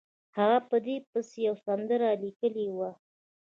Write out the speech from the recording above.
هغه په دې پسې یوه سندره لیکلې وه.